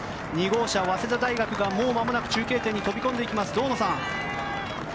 ２号車は早稲田大学がもうまもなく中継点に飛び込んできます。